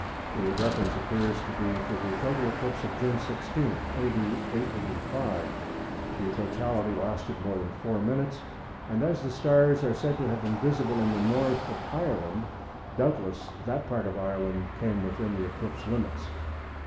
The reference appears to be to the total eclipse of June 16, A.D. 885. The totality lasted more than four minutes, and as the stars are said to have been visible in the North of Ireland, doubtless that part of Ireland came within the eclipse limits.